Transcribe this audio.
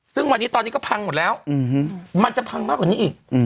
ซึ่งวันนี้ตอนนี้ก็พังหมดแล้วมันจะพังมากกว่านี้อีก